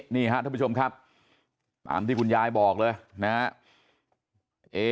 นี่ครับท่านผู้ชมครับตามที่คุณยายบอกเลยนะครับ